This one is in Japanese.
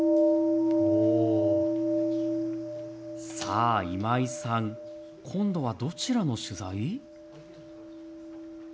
さあ、今井さん、今度はどちらの取材？